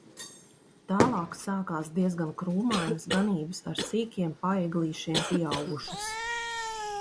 Tālāk sākās diezgan krūmainas ganības ar sīkiem paeglīšiem pieaugušas.